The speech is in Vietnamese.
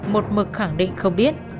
một mực khẳng định không biết